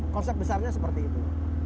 konsep besarnya seperti itu